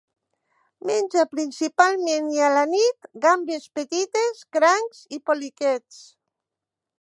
Menja principalment, i a la nit, gambes petites, crancs i poliquets.